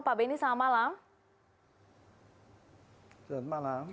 pak benny selamat malam